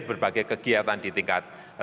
berbagai kegiatan di tingkat